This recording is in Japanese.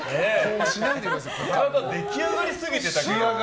体、出来上がりすぎてたけど。